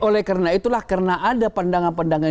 oleh karena itulah karena ada pendangan pendangan